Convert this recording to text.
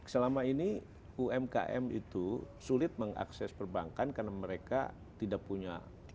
selama ini umkm itu sulit mengakses perbankan karena mereka tidak punya